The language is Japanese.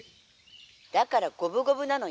「だから五分五分なのよ。